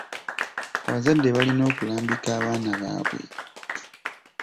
Abazadde balina okulambika abaana baabwe.